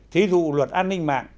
thí dụ luật an ninh mạng